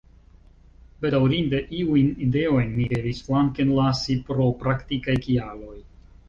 Bedaŭrinde iujn ideojn ni devis flankenlasi pro praktikaj kialoj.